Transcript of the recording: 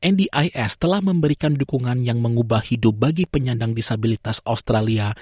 nis telah memberikan dukungan yang mengubah hidup bagi penyandang disabilitas australia